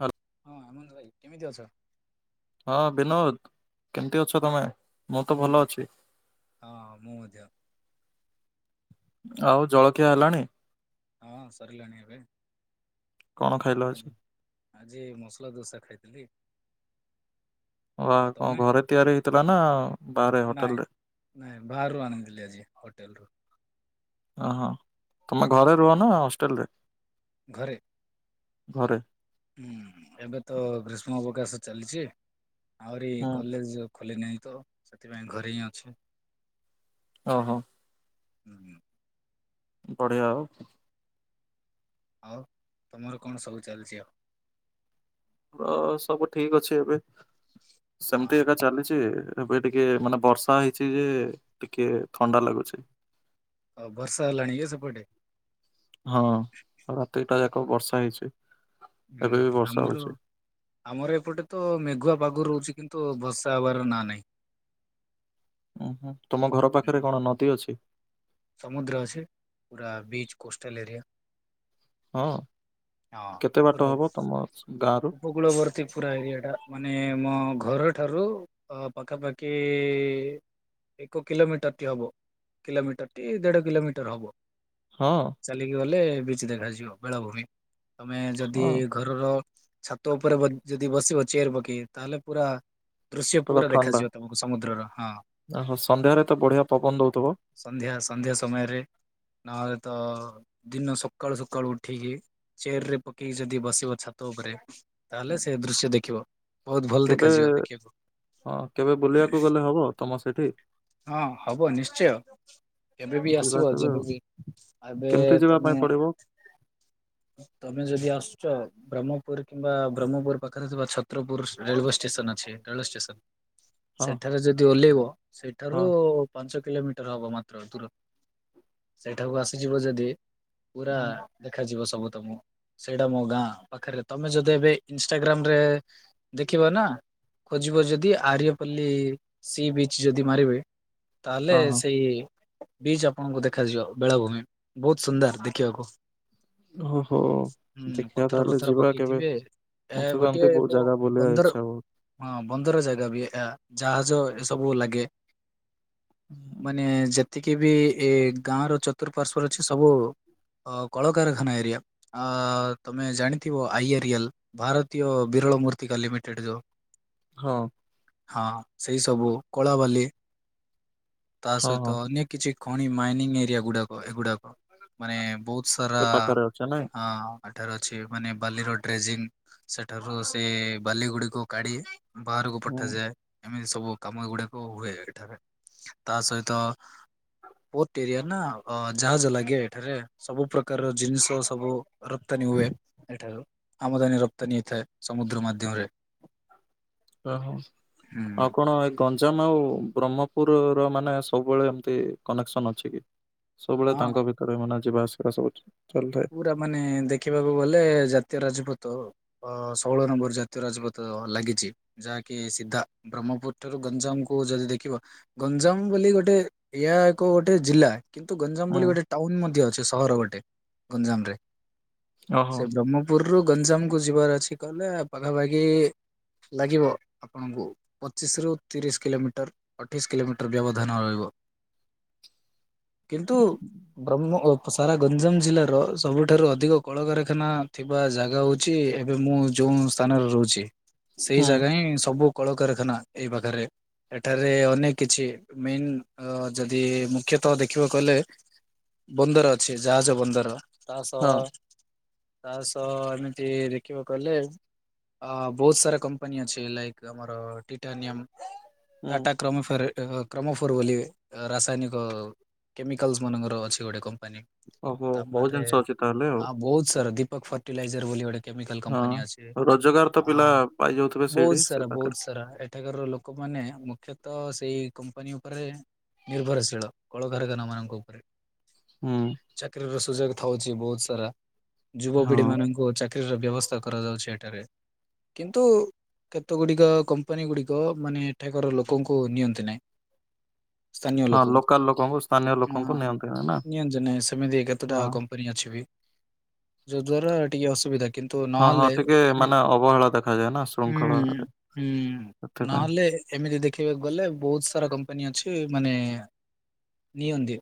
ହାଲ ହଁ ଆନନ୍ଦ ଭାଇ କେମିତି ଅଛ? ହଁ ବିନୋଦ କେମତି ଅଛ ତମେ? ମୁଁ ତ ହୁଁ ଭଲ ଅଛି। ହଁ ମୁଁ ମଧ୍ୟ। ଆଉ ଜଳଖିଆ ହେଲାଣି? ହଁ ସରିଲାଣି ଏବେ। କଣ ଖାଇଲ ଆ ଆଜି? ଆଜି ମସଲା ଦୋସା ଖାଇଥିଲି। ବା ଆଉ କଣ ତମେ? ଘରେ ତିଆରି ହେଇଥିଲା ନା ବାହାରେ ନାଇଁ ହୋଟେଲ ରେ? ନାଇଁ ବାହାରୁ ଆଣିଥିଲି ଆଜି ହୋଟେଲ ରୁ। ହଁ ହଁ ତମେ ଘରେ ରୁହ ନା ହଷ୍ଟେଲ ରେ? ଘରେ। ଘରେ। ହୁଁ ଏବେ ତ ଗ୍ରୀଷ୍ମ ଅବକାଶ ଚାଲିଛି ଆହୁରି ହୁଁ କଲେଜ ଖୋଲିନାହିଁ ତ ସେଥିପାଇଁ ଘରେ ହିଁ ଅଛି। ଓହୋ। ହୁଁ ହୁଁ। ବଢ଼ିଆ ଆଉ। ଆଉ ତମର କଣ ସବୁ ଚାଲିଛି ଆଉ? ହ ସବୁ ଠିକ ଅଛି ଏବେ ସେମତି ହଁ ଏକା ଚାଲିଛି। ଏବେ ଟିକେ ମାନେ ବର୍ଷା ହେଇଛି ଯେ ଟିକେ ଥଣ୍ଡା ଲାଗୁଛି। ହଉ ବର୍ଷା ହେଲାଣି ଏ ସେପଟେ? ହଁ ରାତିଟା ଯାକ ବର୍ଷା ହେଇଛି। ଏବେ ବି ହୁଁ ବର୍ଷା ଆମର ହଉଛି। ଆମର ଏପଟେ ତ ମେଘୁଆ ପାଗ ରହୁଛି କିନ୍ତୁ ଭସ୍ ତା ବାର ନା ନେଇ। ଉଁ ହୁଁ ତମ ଘର ପାଖରେ କଣ ନଦୀ ଅଛି? ସମୁଦ୍ର ଅଛି। ପୁରା ବୀଚ କୋଷ୍ଟାଲ ଏରିଆ। ହଁ ହଁ କେତେ ପୁରା ବାଟ ହବ ତମ ଗାଁରୁ? ଉପକୂଳବର୍ତ୍ତୀ ପୁରା ଏରିଆ ଟା ମାନେ ମ ଘରଠାରୁ ପାଖାପାଖି ଏକ କିଲୋମିଟରଟି ହବ। କିଲୋମିଟର ଦେଢ କିଲୋମିଟର ହବ। ହଁ ଚାଲିକି ଗଲେ ବିଚ ଦେଖାଯିବ ବେଳାଭୂମି। ତମେ ଯଦି ହଁ। ଘରର ଛାତ ଉପରେ ଯଦି ବସିବ ଚେୟାର ପକେଇକି ତାହେଲେ ପୁରା ଦୃଶ୍ୟ ପୁରା ଦେଖାଯିବ ତମକୁ ସମୁଦ୍ରର ହଁ। ଓହୋ ସନ୍ଧ୍ୟାରେ ତେ ବଢିଆ ପବନ ଦଉଥିବ? ସନ୍ଧ୍ୟା ସନ୍ଧ୍ୟା ସମୟରେ। ନହେଲେ ତ ଦିନ ସକାଳୁ ସକାଳୁ ଉଠିକି ଚେୟାର ରେ ପକେଇକି ଯଦି ବସିବ ଛାତ ଉପରେ ତାହେଲେ ହୁଁ, ସେ ଦୃଶ୍ୟ ଦେଖିବ। ବହୁତ ଭଲ କେବେ ଦେଖାଯିବ ଦେଖିବାକୁ ହଁ କେବେ ବୁଲିବାକୁ ଗଲେ ହବ ତମ ସେଠି? ହଁ ହବ ନିଶ୍ଚୟ। କେବେବ ଯିବା ଆସିବ କେବେ ଆଉ। ଯେବେବ ଏବେ କେମିତି ଯିବା ତମେ ପାଇଁ ପଡିବ ତମେ ଯଦି ଆସୁଛ? ବ୍ରହ୍ମପୁର କିମ୍ବା ବ୍ରହ୍ମପୁର ପାଖରେ ଥିବା ଛତ୍ରପୁର ରେଳୱେ ଷ୍ଟେସନ ଅଛି ରେଳୱେ ଷ୍ଟେସନ। ହଁ ସେଠାରେ ଯଦି ଓହ୍ଲେଇବ ହଁ ସେଠାରୁ ପାଞ୍ଚ କିଲୋମିଟର ହବ ମ ଦୂର ସେଠାକୁ ଆସିଯିବ ଯଦି ପୁରା ହୁଁ, ଦେଖାଯିବ। ସବୁ ତମ ସେଇଟା ମୋ ଗାଁ ପାଖରେ ତମେ ଯଦି ଏବେ ଇନଷ୍ଟାଗ୍ରାମ ରେ ଦେଖିବ ନା। ଖୋଜିବ ଯଦି ଆର୍ଯ୍ୟପଲ୍ଲୀ ସି ବିଚ୍ ଯଦି ମାରିବେ। ତାହେଲେ ହଁ ହଁ ସେଇ ବିଚ ଆପଣଙ୍କୁ ଦେଖାଯିବ ବେଳାଭୂମି ବହୁତ ସୁନ୍ଦର ଦେଖିବାକୁ। ଓହୋ। ହୁଁ ଦେଖିବା ପଥର ତାହେଲେ ପଥର ଯିବା କେବେ ପକେଇଥିବେ। ଏ ମତେ ତ ଏମିତି ଗୋଟିଏ ବହୁତ ଏକ ଜାଗା ବୁଲିବା ବନ୍ଦର ଇଚ୍ଛା ବହୁତ। ହଁ ବନ୍ଦର ଜାଗା ବି ଯାହା ଏ ସବୁ ଲାଗେ ହୁଁ, ମାନେ ଯେ ଏତିକି ବି ଏ ଗାଁ ର ଚତୁଃପାର୍ଶ୍ୱରେ ଅଛି ସବୁ। ଅ କଳକାରଖାନା ଏରିଆ ତମେ ଜାଣିଥିବ ଆଇଆରିଏଲ ଭାରତୀୟ ବିର ମୂର୍ତି କାଲିମିଟେଡ ଯୋ ହଁ। ହଁ ସେଇ ସବୁ କଳା ବାଲି ତା ହଁ ହଁ ସହିତ ଅନେକ ଖଣି ମାଇନିଂ ଏରିଆ ଗୁଡାକ ଏଗୁଡାକ ମାନେ ବହୁତ- ସର ସେ ପାଖରେ ଅଛ ନାଇଁ ହ- ଏଠାରେ ଅଛି ମାନେ ବାଲି ର ଡ୍ରେଜିଂ ସେଠାରୁ ସେ ବାଲି ଗୁଡିକୁ କାଢ଼ି ବାହାରକୁ ହୁଁ ପଠାଯାଏ। ଏମିତି ସବୁ କାମ ଗୁଡାକ ହୁଏ ଏଠାରେ ତା ସହିତ ହଉ ପୋର୍ଟ ଏରିଆ ନା ଅ ଜାହାଜ ଲାଗେ ଏଠାରେ ସବୁ ପ୍ରକାରର ଜିନିଷ ସବୁ ରପ୍ତାନୀ ହୁଏ। ଏଠାରୁ ଆମଦାନୀ ରପ୍ତାନୀ ହେଇଥାଏ ସମୁଦ୍ର ମାଧ୍ୟମରେ। ଓହୋ ହୁଁ ଆଉ କଣ ଏକ ଗଞ୍ଜାମ ଆଉ ବ୍ରହ୍ମପୁରର ମାନେ ସବୁବେଳେ ଏମିତି କନେକ୍ସନ୍ ଅଛି କି? ସବୁବେଳେ ହଁ ତାଙ୍କ ଭିତରେ ମାନେ ଯିବା ଆସିବା ସବୁଛି। ପୁରା ମାନେ ଦେଖିବାକୁ ଗଲେ ଜାତୀୟ ରାଜପୁତ ଆଉ ଅ ଷୋହଳ ନମ୍ବର ଜାତୀୟ ରାଜପଥ ଲାଗିଛି ଯାହାକି ସିଧା ବ୍ରହ୍ମପୁର ଠାରୁ ଗଞ୍ଜାମ କୁ ଓ ଯଦି ଦେଖିବା ଗଞ୍ଜାମ ବୋଲି ଗୋଟେ ଏହା ଏକ ଗୋଟେ ଜିଲ୍ଲା କିନ୍ତୁ ଗଞ୍ଜାମ ହୁଁ ବୋଲି ଗୋଟେ ଟାଉନ ମଧ୍ୟ ଅଛି ସହର ଗୋଟେ ଗଞ୍ଜାମରେ। ଓହୋ ସେ ବ୍ରହ୍ମପୁରରୁ ଗଞ୍ଜାମ କୁ ଯିବାର ଅଛି କହିଲେ ପାଖାପାଖି ଲାଗିବ ଆପଣଙ୍କୁ ପଚିଶ ରୁ ତିରିଶ କିଲୋମିଟର ଅଠେଇଶ କିଲୋମିଟର ବ୍ୟବଧାନ ରହିବ। [inaudible] କିନ୍ତୁ ବ୍ରହ୍ମ ସାରା ଗଞ୍ଜାମ ଜିଲ୍ଲା- ର ସବୁଠାରୁ ଅଧିକ କଳକାରଖାନା ଥିବା ଜାଗା ହଉଛି ଏବେ ମୁଁ ଯୋଉ ସ୍ଥାନରେ ରହୁଛି। ସେଇ ହୁଁ ଜାଗା ହିଁ ସବୁ କଳକାରଖାନା ଏଇ ପାଖରେ। ଏଠାରେ ଅନେକ କିଛି ମେନ୍ ଯଦି ମୁଖ୍ୟତଃ ଦେଖିବାକୁ କହିଲେ ବନ୍ଦର ଅଛି ଜାହାଜ ବନ୍ଦର ତା ସହ ହଁ। ତା ସହ ଏମିତି ଦେଖିବାକୁ କହିଲେ ଅ ବହୁତ ସାରା କମ୍ପାନୀ ଅଛି ଲାଇକ ଆମର ଟିଟାନିୟମ୍। ହୁଁ ଟାଟା କ୍ରୋମୋଫାରେ। କ୍ରୋମୋଫୋର ବୋଲି ରାସାୟନିକ କେମିକାଲ୍ସ ମାନଙ୍କର ଅଛି ଗୋଟେ କମ୍ପାନୀ। ଓହୋ ବହୁତ ଜିନିଷ ଅଛି ତାହେଲେ ଆଉ ବହୁତ ସାରା ଦୀପକ ଫର୍ଟିଲାଇଜର ବୋଲି ଗୋଟେ କେମିକାଲ କପାନୀ ଅଛି ହଁ। ରୋଜଗାର ତ ପିଲା ପାଇଯାଉଥିବେ ସେଇଠି ବହୁତ ସେ ସାରା ପାଖରେ ବହୁତ ସାରା ଏଠାକାର ଲୋକମାନେ ମାନେ ମୁଖ୍ୟ ତ ସେଇ କମ୍ପାନୀ ଉପରେ ନିର୍ଭରଶୀଳ କଳକାରଖାନା ମାନଙ୍କ ଉପରେ ତ ହୁଁ ଚାକିରୀର ସୁଯୋଗ ଥାଉଛି ବହୁତ ସାରା ହଁ ଯୁବପିଢି ମାନଙ୍କୁ ଚା ଚାକିରିର ବ୍ୟବସ୍ଥା କରାଯାଉଛି ଏଠାରେ କିନ୍ତୁ କେତେ ଗୁଡ଼ିକ କମ୍ପାନୀ ଗୁଡ଼ିକ ମାନେ ଏଠାକାର ଲୋକଙ୍କୁ ନିଅନ୍ତି ନାହିଁ। ସ୍ଥାନୀୟ ହଁ ଲୋକଙ୍କୁ, ଲୋକାଲ ଲୋକଙ୍କୁ ସ୍ଥାନୀୟ ହୁଁ, ଲୋକଙ୍କୁ ନିଅନ୍ତି ନା ନିୟନ୍ତିନି ସମିତି କେ କେତେଟା ହଁ। କମ୍ପାନୀ ଅଛି ବି ଯୋଉ ଦ୍ଵାରା ଟିକେ ଅସୁବିଧା କିନ୍ତୁ ହଁ ହଁ ନହେଲେ ଟିକେ ଏମିତି, ମାନେ ଅବହେଳା ଦେଖାଯାଏ ନା ହୁଁ ଶୃଙ୍ଖଳାରେ ହୁଁ ସେଥିପାଇଁ ନହେଲେ ଏମିତି ଦେଖିବାକୁ ଗଲେ ବହୁତ ସାରା କମ୍ପାନୀ ଅଛି ମାନେ ନିଅନ୍ତି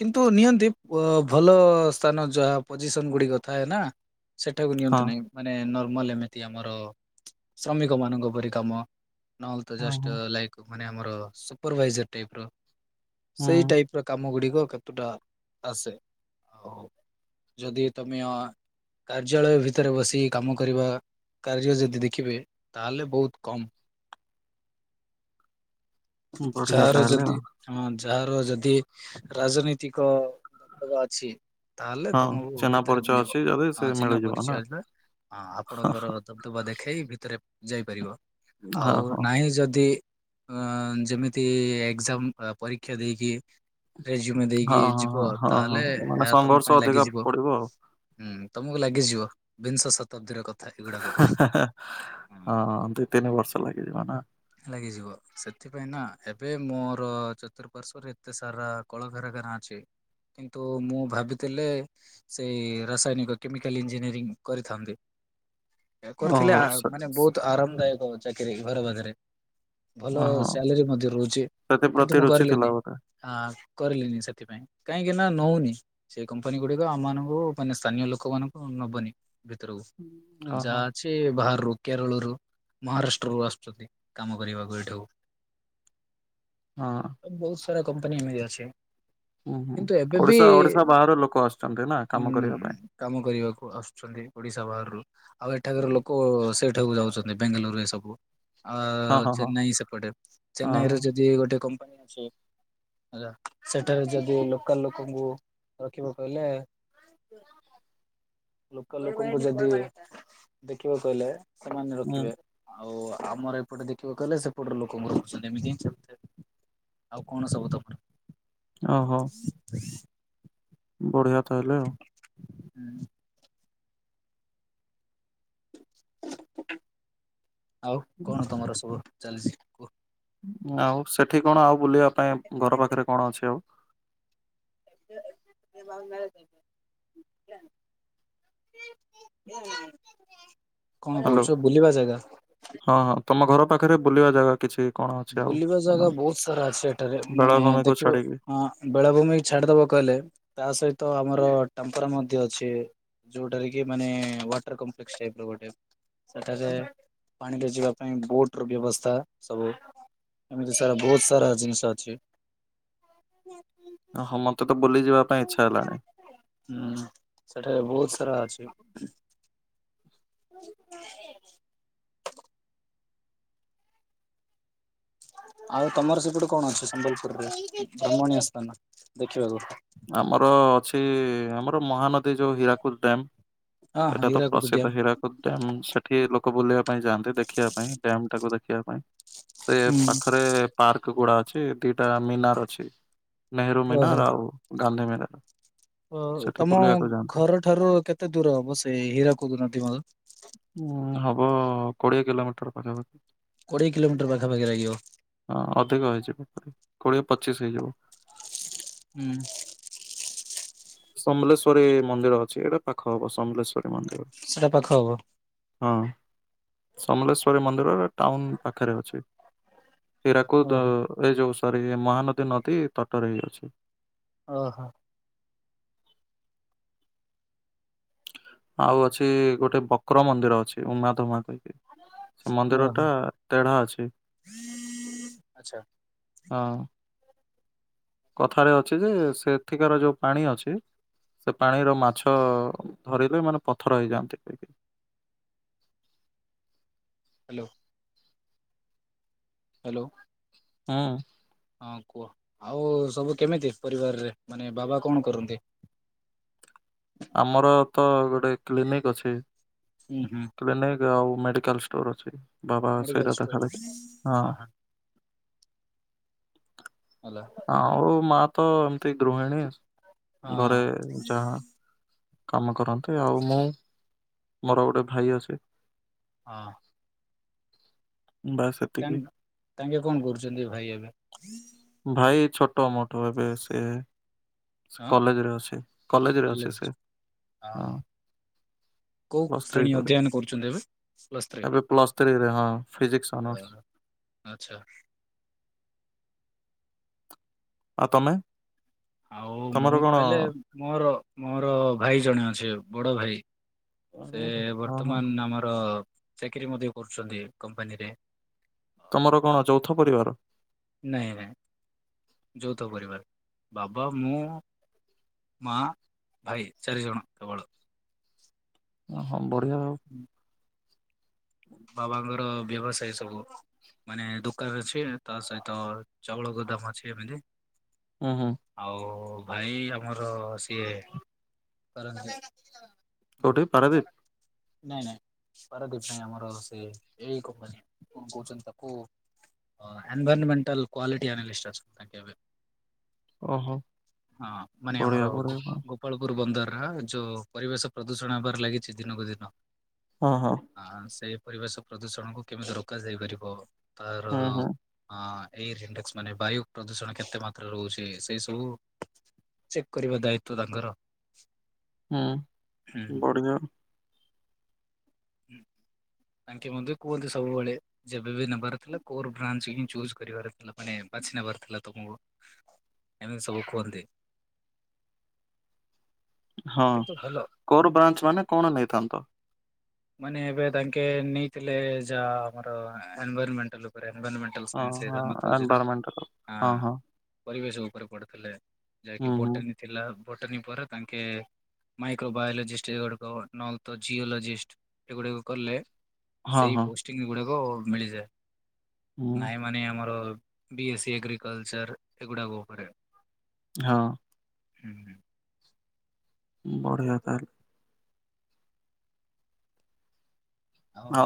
କିନ୍ତୁ ନିଅନ୍ତି ଭଲ ସ୍ଥାନ ଯାହା ପୋଜିସନ ଗୁଡିକ ଥାଏ ନା ସେଠାକୁ ନିଅନ୍ତି ହଁ। ନାହିଁ ମାନେ ଏମିତି ଆମର ଶ୍ରମିକ ମାନଙ୍କ ପରି କାମ ନହେଲେ ତ ହଁ ଜଷ୍ଟ ହଁ ଲାଇକ ମାନେ ଆମର ସୁପରଭାଇଜର ଟାଇପ ର ସେଇ ଟାଇପ ର କାମ ଗୁଡିକ କେତୁଟା ଆସେ ଆଉ ଯଦି ତୁମେ କାର୍ଯ୍ୟାଳୟ ଭିତରେ ବସି କାମ କରିବା। କାର୍ଯ୍ୟ ଯଦି ଦେଖିବେ ତାହେଲେ ବହୁତ କମ୍। ହୁଁ ବଢିଆ ଯାର ତାହେଲେ ଯଦି ଆଉ [unintelligible] ଯାହାର ଯଦି ରାଜନୈତିକ ଦବଦବା ଅଛି। ତାହେଲେ ହଁ ତମକୁ ଚିହ୍ନା ଭିତରେ ପରିଚୟ ମିଳିବ ଅଛି ଯଦି ସେ ହଁ ଚିହ୍ନା ମିଳିଯିବ ନା। ପରିଚୟା। ହ ହଁ ଆପଣଙ୍କର ଦବଦବା ଦେଖେଇ ଭିତରେ ଯାଇପାରିବ ହଁ ଆଉ ହଁ ନାହିଁ ଯଦି ଅ ଯେମିତି ଏଜାମ ପରୀକ୍ଷା ଦେଇକି ରେଜ୍ୟୁମେ ହଁ ଦେଇକି ହଁ ଯିବ ହଁ ହଁ ତାହେଲେ ମାନେ ଏହା ତମ ସଂଘର୍ଷ ପାଇଁ ଅଧିକା ଲାଗିଯିବ ପଡିବ ଆଉ। ହୁଁ ତମକୁ ଲାଗିଯିବ ବିଂଶ ଶତାବ୍ଦୀରେ ହ ହ ହ ହଁ ଦୁଇ ତିନି ବର୍ଷ ଲାଗିଯିବ ନା। ଲାଗିଯିବ ସେଥିପାଇଁ ନା ଏବେ ମୋର ଚତୁଃପାର୍ଶ୍ଵରେ ଏତେ ସାରା କଳକାରାରଖାନା ଅଛି। କିନ୍ତୁ ମୁଁ ଭାବିଥିଲେ ସେଇ ରାସାୟନିକ କେମିକାଲ ଇଞ୍ଜିନିୟରିଂ କରିଥାନ୍ତି। [inaudible] କରିଥିଲେ ଓହୋ ମାନେ ବହୁତ ଆରାମ ଦାୟକ ଚାକିରି ଘରେ ପାଖେରେ ଭଲ ଓହୋ। ସାଲାରୀ ମଧ୍ୟ ରହୁଛି କିନ୍ତୁ ସେଥିପ୍ରତି ମୁଁ ରୁଚି ଥିଲା କର୍ଲିନି। ବୋଧେ। ହଁ କରିଲିନି ସେଥିପାଇଁ କାହିଁକି ନା ନଉନି ସେ କମ୍ପାନୀ ଗୁଡିକ ଆମ ମାନଙ୍କୁ ମାନେ ସ୍ଥାନୀୟ ଲୋକମାନଙ୍କୁ ନବନି ଭିତରୁକୁ ଓହୋ ଯାହା ଅଛି ବାହର ରୁ କେରଳରୁ ମହାରାଷ୍ଟ୍ରରୁୁ ଆସୁଛନ୍ତି କାମ କରିବାକୁ ଏଇଠାକୁ ହଁ। କମ୍ପାନି ମି ଅଛି। ହୁଁ ହୁଁ କିନ୍ତୁ ଏବେ ବି ଓଡିଶା ଓଡିଶା ବାହାର ଲୋକ ଆସୁଛନ୍ତି ନା କାମ କରିବା ଉଁ ପାଇଁ କାମ କରିବାକୁ ଆସୁଛନ୍ତି ଓଡିଶା ବାହାରରୁ ଆଉ ଏଠାକାର ଲୋକ ସେ ଏଠକୁ ଯାଉଛନ୍ତି ବେଙ୍ଗାଲୁରୁ ଏ ସବୁ ଆ ହଁ ହଁ ହଁ ଚେନ୍ନାଇ ସେପଟେ ହଁ। ଚେନ୍ନାଇରେ ଯଦି ଗୋଟେ କମ୍ପାନୀ ଅଛି। ଆ ସେଠାରେ ଯଦି ଲୋକାଲ ଲୋକଙ୍କୁ ରଖିବାକୁହିଲେ [inaudible] ଲୋକାଲ ଲୋକଙ୍କୁ ଯଦି ଦେଖିବା କହିଲେ ସେମାନେ ହୁଁ ରଖିବେ ଆଉ ଆମର ଏପଟେ ଦେଖିବା କହିଲେ ସେପଟରେ ଲୋକଙ୍କ ର ଏମିତି ହି ଆଉ କଣ ସବୁ ତମର ଓହୋ। ବଢିଆ ତାହଲେ ଆଉ ହୁଁ। ଆଉ କଣ ତମର ସବୁ ଚାଲିଛି କୁହ? ଆଉ ସେଠି କଣ ଆଉ ବୁଲିବା ପାଇଁ ଘର ପାଖରେ କଣ ଅଛି ଆଉ? [unintelligible] ହୁଁ [unintelligible] ହ୍ୟାଲୋ ହଁ ହଁ ତମ ଘର ପାଖରେ ବୁଲିବା ଜାଗା କିଛି? କଣ ଅଛି ଆଉ? ବୁଲିବା ଜାଗା ମାନେ ବହୁତ ସାରା ଅଛି ଏଠାରେ ମାନେ ବେଳାଭୂମିକୁ ଦେଖିବ ଛାଡିକି ବେଳାଭୂମି ଛାଡିଦବ କ ତା ସହିତ ଆମର ଟେମ୍ପରା ମଧ୍ୟ ଅଛି ଯୋଉଟାରେ କି ମାନେ ୱାଟର କପଲେକ୍ସ ଟାଇପ୍ ର ଗୋଟେ ସେଠାରେ ପାଣିରେ ଯିବା ପାଇଁ ବୋଟ ର ବ୍ୟବସ୍ଥା ସବୁ ଏମିତି ସାରା ବହୁତ ସାରା ଜିନିଷ ଅଛି। ଓ ହଁ ମତେ ତ ବୁଲି ଯିବା ପାଇଁ ଇଚ୍ଛା ହେଲାଣି। ହୁଁ ସେଠାରେ ବହୁତ ସାରା ଅଛି। ହ [unintelligible] ଆଉ ତମର ସେପଟୁ କଣ ଅଛି ସମ୍ବଲପୁରରେ ଭ୍ରମଣୀୟ ସ୍ଥାନ ଦେଖିବାକୁ? ଆମର ଅଛି ଆମର ମହାନଦୀ ଯୋଉ ହୀରାକୁଦ ଡ୍ୟାମ୍ ହଁ। ହଁ ଏଇଟା ତ ହୀରାକୁଦ ପ୍ରସିଦ୍ଧ ହୀରାକୁଦ ଡ୍ୟାମ୍ ସେଠି ଲୋକ ବୁଲିବା ପାଇଁ ଯାଆନ୍ତି ଦେଖିବା ପାଇଁ ଡ୍ୟାମଟାକୁ ଦେଖ ଦେଖିବା ପାଇଁ ସେ ଡ୍ୟାମ ପାଖରେ ପାର୍କ ଗୁଡା ଅଛି ଦିଟା ମିନାର ଅଛି। ନେହେରୁ ହୁଁ ମୀନାର୍ ଗାନ୍ଧୀ ମୀନାର୍। ତମ ଘର ଠାରୁ କେତେ ଦୂର ହବ ସେ ହୀରା [unintelligible] କୁଦନାହାନ୍ତି ମର ଉଁ ହବ କୋଡିଏ କିଲୋମିଟର ପାଖାପାଖି କୋଡିଏ କିଲୋମିଟର ପାଖାପାଖି ଲାଗିବ ହଁ ଅଧିକା ହୋଇଛି ବାପ୍ ରେ କୋଡିଏ ପଚିଶ ହେଇଯିବ। ହୁଁ ସମଲେସ୍ବରୀ ମନ୍ଦିର ଅଛି, ଏଇଟା ପାଖ ହବ ସମଲେଶ୍ଵରୀ ମନ୍ଦିର ସେଟା ପାଖ ହବ। ହଁ। ସମଲେଶ୍ଵରୀ ମନ୍ଦିର ଟାଉନ ପାଖରେ ଅଛି, ସେଟାକୁ ଓହୋ ଏ ଯୋଉ ମହାନଦୀ ନଦୀ, ତଟରେ ହେଇ ଅଛି। ଓ ହୋ ଆଉ ଅଛି ଗୋଟେ ବକ୍ର ମନ୍ଦିର ଅଛି, ଉମା ଧୁମା କହି ସେ ମନ୍ଦିର ଓହୋ ଟା ତେଢା ଅଛି। ଆଛା ହଁ କଥାରେ ଅଛି ଯେ- ସେଠିକାର ଯୋଉ ପାଣି ଅଛି ସେ ପାଣିର ମାଛ ଧରିଲେ ମାନେ- ପଥର ହେଇଯାଆନ୍ତି [inaudible] ହାଲୋ ହାଲୋ ହଁ। ହଁ କୁହ, ଆଉ ସବୁ କେମିତି ପରିବାରରେ, ମାନେ ବାବା କଣ କରନ୍ତି? ଆମର ତ ଗୋଟେ କ୍ଲିନିକ ଅଛି। ହୁଁ ହୁଁ। କ୍ଲିନିକ ମେଡିକାଲ ଷ୍ଟୋର ଅଛି, ମେଡିକାଲ ଷ୍ଟୋର ଅଛି। [unintelligible] ହଁ ଭଲ ଆଉ ମା ତ ଏମତି ଗୃହିଣୀ। ହଁ ଘରେ ଯାହା କାମ କରନ୍ତି, ଆଉ ମୁଁ ମୋର ଗୋଟେ ଭାଇ ଅଛି ହଁ। ବାସ୍ ସେତିକି ତାଙ୍କେ କଣ କରୁଛନ୍ତି ଭାଇ ଏବେ? ଭାଇ ଛୋଟ ମୋଠୁ, ଏବେ ସେ ସେ ହଁ କଲେଜ ରେ ଅଛି, କଲେଜରେ ଅଛି କଲେଜ ସେ। ହଁ କୋଉ ପ୍ଲସ୍ ଥ୍ରୀ ଶ୍ରେଣୀ କରୁଛି, ଅଧ୍ୟୟନ କରୁଛନ୍ତି ଏବେ ପ୍ଲସ୍ ଥ୍ରୀ ଏବେ ପ୍ଲସ ଥ୍ରୀରେ ହଁ ଫିଜିକ୍ସ ଅନର୍ସ ଆଛା। ଆ ତମେ? ଆଉ ତମର ମୁଁ କଣ? କହିଲେ ମୋର, ମୋର ଭାଇ ଜଣେ ଅଛି ବଡ ଭାଇ। ସେ ଓହୋ ବର୍ତ୍ତମାନ ଆମର ଚାକିରି ମଧ୍ୟ କରୁଛନ୍ତି କମ୍ପାନୀରେ। ତମର କଣ ଚୌଥ ପରିବାର। ନାଇଁ ନାଇଁ, ଯୌଥ ପରିବାର ବାବା ମୁଁ ମା, ଭାଇ ଚାରିଜଣ କେବଳ। ଓ ହଁ ବଢିଆ ଆଉ। ହୁଁ ବାବାଙ୍କର ବ୍ୟବସାୟ ସବୁ ମାନେ ଦୋକାନ ଅଛି, ତା ସହିତ ଚାଉଳ ଗୋଦାମ୍ ଅଛି ଏମିତି। ହୁଁ ହୁଁ ଆଉ ଭାଇ ଆମର ସିଏ କରନ୍ତି କଉଠି ପାରାଦୀପ? ନାଇଁ ନାଇଁ, ପାରାଦୀପ ନାଇଁ, ଆମର ସେ ଏଇ କମ୍ପାନୀ କଣ କହୁଛନ୍ତି ତାକୁ? ଏନ୍ଭାଇରମେଣ୍ଟାଲ କ୍ୱାଲିଟୀ ଆନାଲିଷ୍ଟ ଅଛନ୍ତି ତାଙ୍କେ ଏବେ। ଓହୋ ହଁ, ମାନେ ଆମର ବଢିଆ ବଢିଆ ହଁ ଗୋପ ଗୋପାଳପୁର ବନ୍ଦର। ଯୋଉ ପରିବେଶ ପ୍ରଦୂଷଣ ହେବାର ଲାଗିଛି ଦିନକୁ ଦିନ, ହଁ ଅଁ ସେଇ ପରିବେଶ ପ୍ରଦୂଷଣକୁ କେମିତି ରୋକାଯାଇ ପାରିବ, ତାର ହୁଁ ହୁଁ ଆଁ ଏଇ ରିଣ୍ଡେକ୍ସ ମାନେ ବାୟୁ ପ୍ରଦୂଷଣ କେତେ ମାତ୍ରାରେ ରହୁଛି, ସେଇ ସବୁ ଚେକ୍ କରିବା ଦାୟିତ୍ବ ତାଙ୍କର। ହୁଁ ହୁଁ ବଢ଼ିଯାଉ। ହୁଁ। ତାଙ୍କେ ମୋତେ କୁହନ୍ତି ସବୁବେଳେ ଯେବେ ବି ନେବାର ଥିଲା କୋର୍ ବ୍ରାଞ୍ଚ ହିଁ ଚୁଜ୍ କରିବାର ଥିଲା। ମାନେ ବାଛି ନେବାର ଥିଲା ତୋମ [unintelligible] ଏମିତି ସବୁ କୁହନ୍ତି। ହଁ କିନ୍ତୁ ଭଲ କୋର୍ ବ୍ରାଞ୍ଚ ମାନେ କଣ ନେଇଥାନ୍ତ? ମାନେ ଏବେ ତାଙ୍କେ ନେଇଥିଲେ ଯା ଆମର ଏନଭାରମେଣ୍ଟାଲ ଉପରେ। ଏନଭାରମେଣ୍ଟାଲ ହଁ ସାଇନ୍ସ ହଁ ଏରା ନଥୋଜେରା ଏନଭାରମେଣ୍ଟାଲ ହଁ ଆଁ, ହଁ ପରିବେଶକୁ। ଉପରେ ପଢିଥିଲେ ହୁଁ ଯାହାକି ହୁଁ ବୋଟନି ଥିଲା। ବୋଟନି ପରେ ତାଙ୍କେ ମାଇକ୍ରୋବାୟୋଲୋଜିଷ୍ଟ ଏଗୁଡିକ [unintelligible] ନହଲେ ତ ଜିଓଲୋଜିଷ୍ଟ। ଏଗୁଡାକ କଲେ ହଁ ସେଇ ହଁ ପୋଷ୍ଟିଙ୍ଗ ଗୁଡାକ ମିଳିଯାଏ। ହୁଁ ନାହିଁ ମାନେ ଆମର ବିଏସି ଏଗ୍ରିକଲଚର୍ ଏଗୁଡ଼ାକ ଉପରେ। ହଁ। ହୁଁ, ହୁଁ। ବଢିଆ ତାହେଲେ। ଆଉ ହ